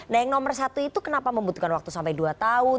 nah yang nomor satu itu kenapa membutuhkan waktu sampai dua tahun